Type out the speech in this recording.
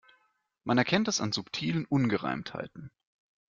Man erkennt es an subtilen Ungereimtheiten.